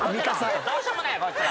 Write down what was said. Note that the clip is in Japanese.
どうしようもないこいつら。